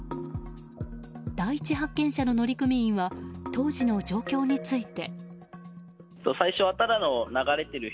第一発見者の乗組員は当時の状況について。